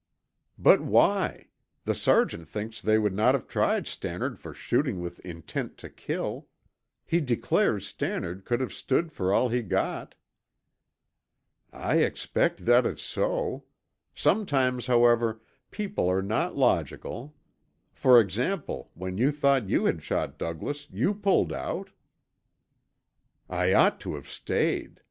"But why? The sergeant thinks they would not have tried Stannard for shooting with intent to kill; he declares Stannard could have stood for all he got." "I expect that is so. Sometimes, however, people are not logical. For example, when you thought you had shot Douglas, you pulled out." "I ought to have stayed.